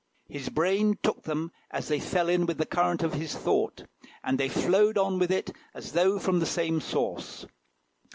His brain took them as they fell in with the current of his thought, and they flowed on with it as though from the same source.